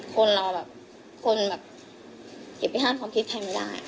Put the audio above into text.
คุณหล่วงความคิดใครไม่ได้